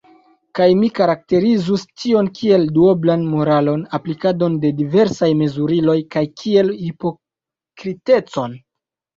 Kaj mi karakterizus tion kiel duoblan moralon, aplikadon de diversaj mezuriloj kaj kiel hipokritecon.